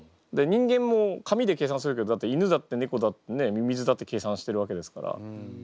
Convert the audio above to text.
人間も紙で計算するけどだって犬だって猫だってミミズだって計算してるわけですから計算して動いてる。